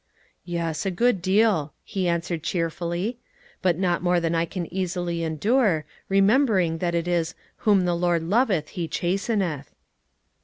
"Yes, a good deal," he answered cheerfully, "but not more than I can easily endure, remembering that it is 'whom the Lord loveth He chasteneth.'"